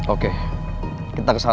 oke kita kesana